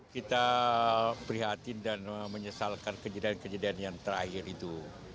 kita prihatin dan menyesalkan kejadian kejadian yang terakhir itu